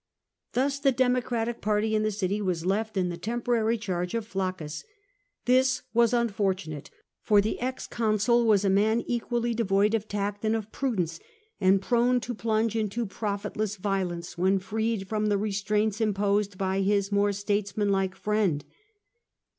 Thus the Democratic party in the city was left in the temporary charge of Flaccus ; this was unfortunate, for the ex consul was a man equally devoid of tact and of prudence, and prone to plunge into profitless violence when freed from the restraints imposed by his more statesman like friend.